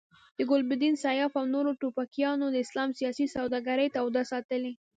د ګلبدین، سیاف او نورو توپکیانو د اسلام سیاسي سوداګري توده ساتلې.